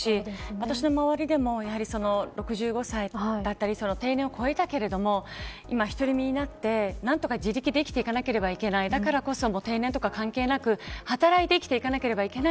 私の周りでも６５歳だったり定年を超えたけれども１人になって何とか自力で生きていかなければいけないだからこそ定年とか関係なく働いて生きていかなければいけない。